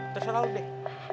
terserah lo deh